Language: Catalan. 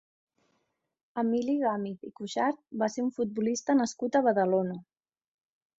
Emili Gàmiz i Cuixart va ser un futbolista nascut a Badalona.